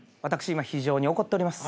今非常に怒っとります。